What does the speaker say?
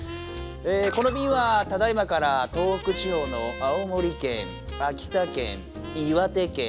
このびんはただ今から東北地方の青森県秋田県岩手県